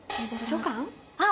あっ！